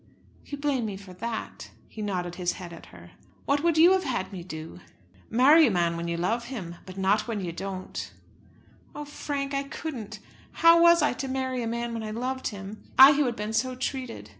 "You blame me for that." He nodded his head at her. "What would you have had me do?" "Marry a man when you love him, but not when you don't." "Oh, Frank! I couldn't. How was I to marry a man when I loved him, I who had been so treated?